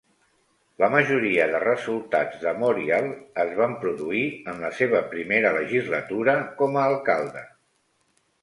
La majoria de resultats de Morial es van produir en la seva primera legislatura com a alcalde.